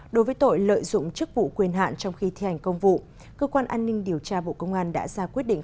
đối với tội lợi dụng chức vụ quyền hạn trong khi thi hành công vụ cơ quan an ninh điều tra bộ công an đã ra quyết định